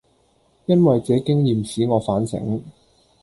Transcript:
因爲這經驗使我反省，